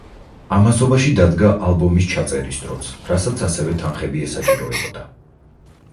ამასობაში დადგა ალბომის ჩაწერის დროც, რასაც ასევე თანხები ესაჭიროებოდა.